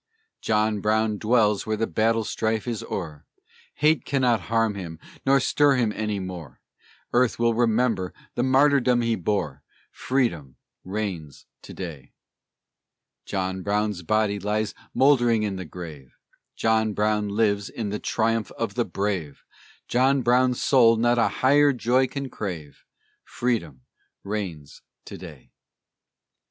John Brown dwells where the battle's strife is o'er; Hate cannot harm him, nor sorrow stir him more; Earth will remember the martyrdom he bore, Freedom reigns to day! John Brown's body lies mouldering in the grave; John Brown lives in the triumph of the brave; John Brown's soul not a higher joy can crave, Freedom reigns to day!